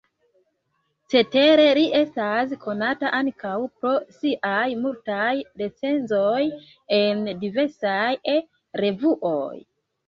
Cetere, li estas konata ankaŭ pro siaj multaj recenzoj en diversaj E-revuoj.